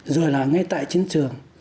rồi là ngay tại chiến trường